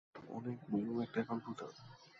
অন্নেক বড়ড়ড় একটা একাউন্ট খুলতে হবে।